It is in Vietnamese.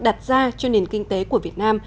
đặt ra cho nền kinh tế của việt nam